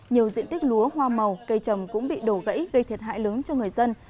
nhiều diện tích lúa hoa màu cây trầm cũng bị đổ gãy gây thiệt hại lớn cho người dân